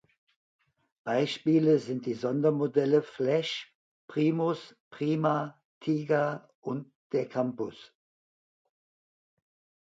Beispiele sind die Sondermodelle "Flash", "Primus", "Prima", "Tiga" und der "Campus".